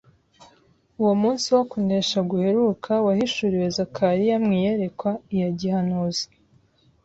'» Uwo munsi wo kunesha guheruka wahishuriwe Zakariya mu iyerekwa iya gihanuzi.